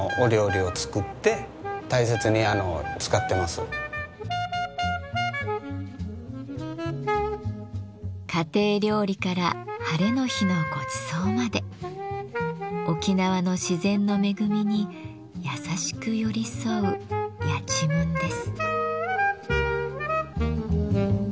陶器家庭料理からハレの日のごちそうまで沖縄の自然の恵みに優しく寄り添うやちむんです。